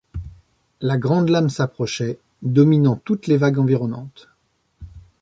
La grande lame s’approchait, dominant toutes les vagues environnantes.